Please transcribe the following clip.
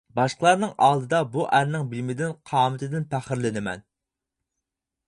باشقىلارنىڭ ئالدىدا بۇ ئەرنىڭ بىلىمىدىن، قامىتىدىن پەخىرلىنىمەن.